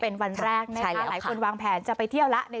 เป็นวันแรกนะคะหลายคนวางแผนจะไปเที่ยวแล้ว